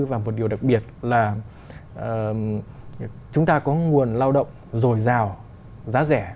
và một điều đặc biệt là chúng ta có nguồn lao động rồi giàu giá rẻ